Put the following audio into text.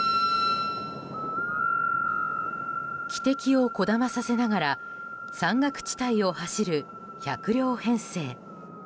汽笛をこだまさせながら山岳地帯を走る１００両編成。